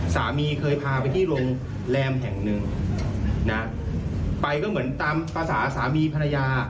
สามีเคยพาไปที่โรงแรมแห่งหนึ่งนะไปก็เหมือนตามภาษาสามีภรรยา